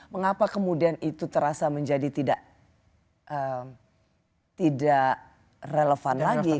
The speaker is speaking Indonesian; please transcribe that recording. mengapa kemudian itu terasa menjadi tidak relevan lagi